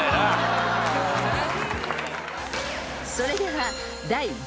［それでは］